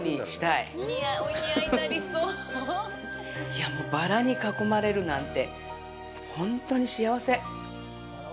いやぁ、もうバラに囲まれるなんて、ほんとに幸せ！